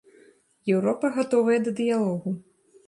Еўропа гатовая да дыялогу.